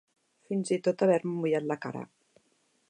Fins i tot haver-me mullat la cara.